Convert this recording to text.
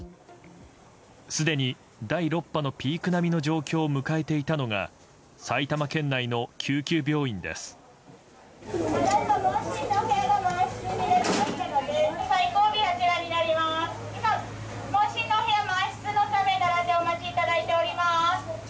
すでに第６波のピーク並みの状況を迎えていたのが埼玉県内の救急病院です。